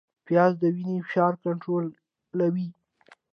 پیاز د وینې فشار کنټرولوي